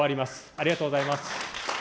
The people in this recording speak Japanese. ありがとうございます。